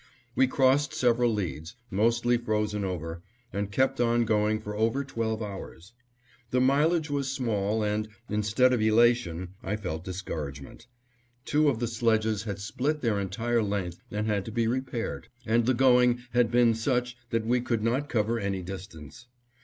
We crossed several leads, mostly frozen over, and kept on going for over twelve hours. The mileage was small and, instead of elation, I felt discouragement. Two of the sledges had split their entire length and had to be repaired, and the going had been such that we could not cover any distance.